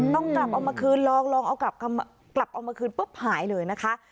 ต้องกลับเอามาคืนลองเอากลับเอามาคืนปุ๊บหายเลยนะคะ